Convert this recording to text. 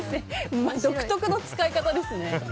独特の使い方ですね。